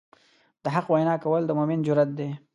د حق وینا کول د مؤمن جرئت دی.